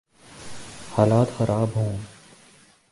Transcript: حالات خراب ہوں۔